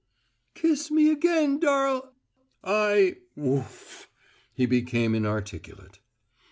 "Kiss me again, darl " "I woof!" He became inarticulate.